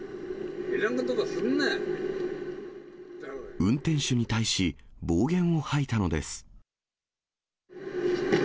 運転手に対し、暴言を吐いたのです。